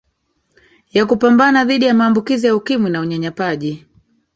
ya kupambana dhidi ya maambukizi ya ukimwi na unyanyapaji